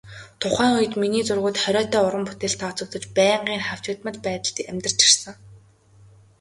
Тухайн үед миний зургууд хориотой уран бүтээлд тооцогдож, байнгын хавчигдмал байдалд амьдарч ирсэн.